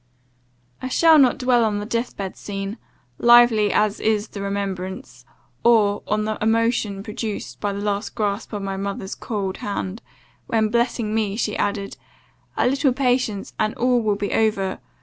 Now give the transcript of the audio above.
"I shall not dwell on the death bed scene, lively as is the remembrance, or on the emotion produced by the last grasp of my mother's cold hand; when blessing me, she added, 'A little patience, and all will be over!